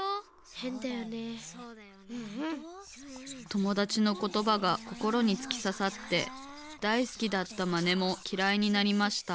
ともだちのことばがこころにつきささってだいすきだったまねもきらいになりました